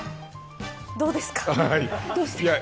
どうですか。